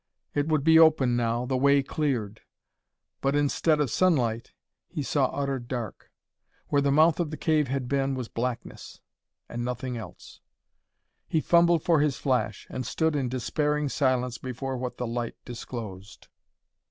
It would be open now, the way cleared. But, instead of sunlight, he saw utter dark. Where the mouth of the cave had been was blackness and nothing else! He fumbled for his flash, and stood in despairing silence before what the light disclosed.